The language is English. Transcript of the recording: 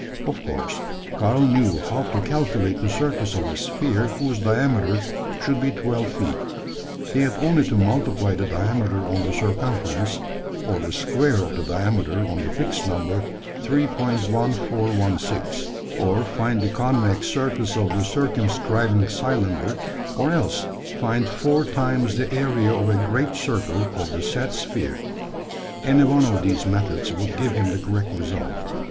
Of course, Karl knew how to calculate the surface of a sphere whose diameter should be twelve feet. He had only to multiply the diameter on the circumference; or the square of the diameter on the fixed number 3.1416; or find the convex surface of the circumscribing cylinder; or else find four times the area of a great circle of the said sphere. Any one of these methods would give him the correct result.